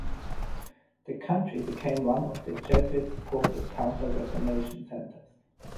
The country became one of the Jesuit supported counter-reformation centers.